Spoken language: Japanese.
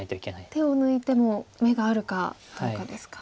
手を抜いても眼があるかどうかですか。